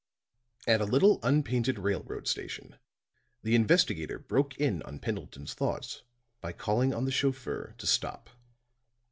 At a little unpainted railroad station, the investigator broke in on Pendleton's thoughts by calling on the chauffeur to stop.